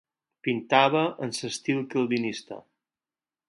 Pintava en l'estil calvinista.